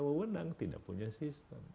wewenang tidak punya sistem